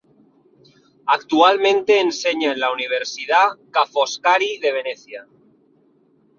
Actualmente enseña en la Universidad Ca' Foscari de Venecia.